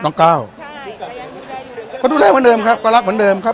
ก้าวใช่ก็ดูแลเหมือนเดิมครับก็รักเหมือนเดิมครับ